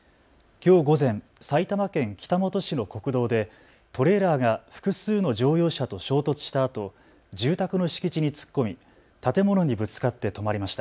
きょう午前、埼玉県北本市の国道でトレーラーが複数の乗用車と衝突したあと住宅の敷地に突っ込み建物にぶつかって止まりました。